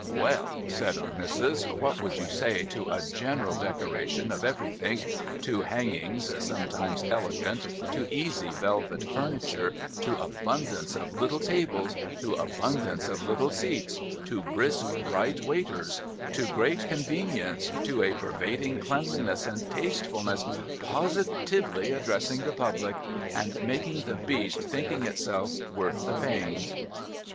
'Well,' said Our Missis, 'what would you say to a general decoration of everythink, to hangings (sometimes elegant), to easy velvet furniture, to abundance of little tables, to abundance of little seats, to brisk bright waiters, to great convenience, to a pervading cleanliness and tastefulness positively addressing the public, and making the Beast thinking itself worth the pains